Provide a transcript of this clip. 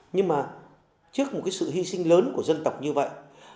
nhưng mà trước một cái sự hy sinh lớn của dân tộc như vậy